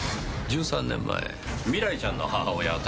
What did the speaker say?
１３年前未来ちゃんの母親